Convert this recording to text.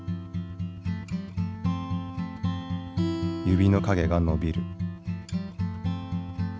指の影が伸びる。